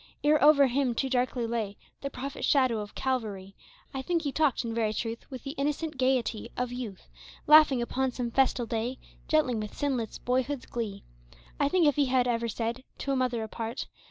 Ere over him too darkly lay The prophet shadow of Calvary, I think he talked in very truth With the innocent gayety of youth, Laughing upon some festal day, Gently, with sinless boyhood's glee. I think if he had ever said To a mother apart.